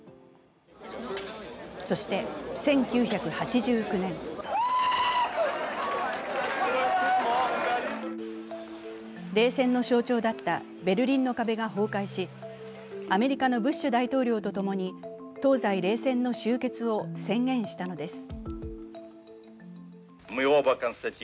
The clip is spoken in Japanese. そして１９８９年冷戦の象徴だったベルリンの壁が崩壊し、アメリカのブッシュ大統領と共に東西冷戦の終結を宣言したのです。